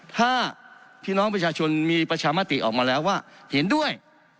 ถ้าพี่น้องประชาชนมีประชามติออกมาแล้วว่าเห็นด้วย